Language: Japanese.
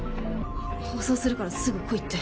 放送するからすぐ来いって。